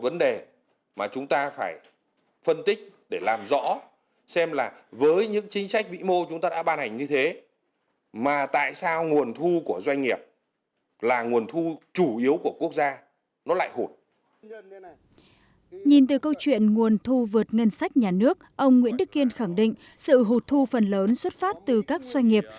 nhìn từ câu chuyện nguồn thu vượt ngân sách nhà nước ông nguyễn đức kiên khẳng định sự hụt thu phần lớn xuất phát từ các doanh nghiệp